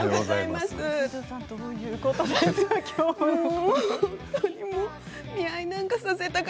どういうことですか？